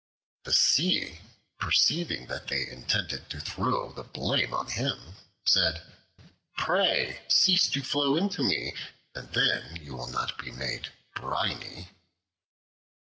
The Sea, perceiving that they intended to throw the blame on him, said, "Pray cease to flow into me, and then you will not be made briny."